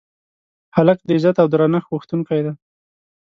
هلک د عزت او درنښت غوښتونکی دی.